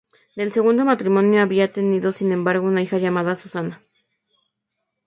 Del segundo matrimonio había tenido sin embargo una hija llamada Susana.